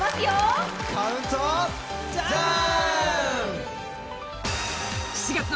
カウントダウン！